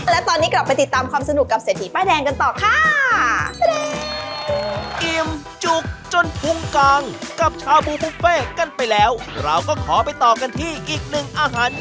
และตอนนี้กลับไปติดตามความสนุกกับเศรษฐีป้ายแดงกันต่อค่ะ